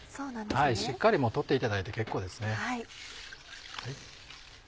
しっかり取っていただいて結構ですね。